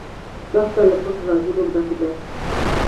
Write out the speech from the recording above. دښته له پټ رازونو ډکه ده.